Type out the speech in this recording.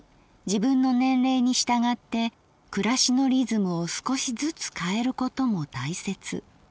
自分の年齢に従って暮しのリズムを少しずつ変えることも大切。